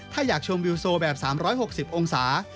ถ้าอยากชมวิวโซแบบ๓๖๐องศา